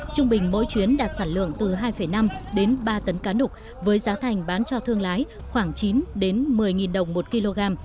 trung bình mỗi chuyến đạt sản lượng từ hai năm đến ba tấn cá nục với giá thành bán cho thương lái khoảng chín một mươi đồng một kg